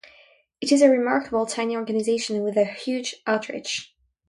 It is a remarkable, tiny organization with a huge outreach.